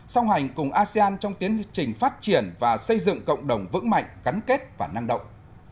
song hành cùng asean trong tiến trình phát triển và xây dựng cộng đồng vững mạnh gắn kết và năng động